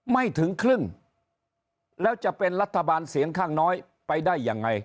ไม่ถึงครึ่งแล้วจะเป็นรัฐบาลเสียงข้างน้อยไปได้ยังไง